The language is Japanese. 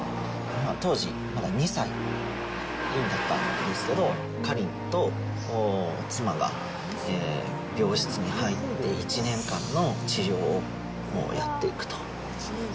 当時、まだ２歳だったんですけど、かりんと妻が病室に入って、１年間の治療をやっていくと。